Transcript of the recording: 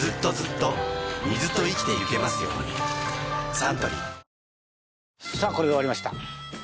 サントリーさあこれで終わりました。